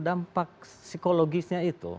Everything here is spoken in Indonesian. dampak psikologisnya itu